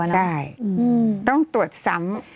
ได้ต้องตรวจซ้ำ